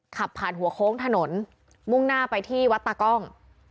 ขับผ่านหัวโค้งถนนมุ่งหน้าไปที่วัดตากล้อง